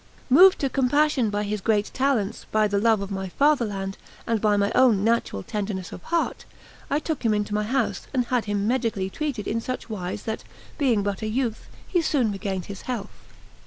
Moved to compassion by his great talents, by the love of my fatherland, and by my own natural tenderness of heart, I took him into my house, and had him medically treated in such wise that, being but a youth, he soon regained his health.